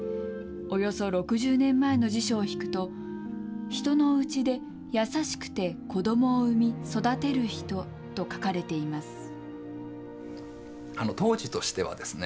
およそ６０年前の辞書を引くと、人のうちで優しくて子どもを産み、そだてる人と書かれています。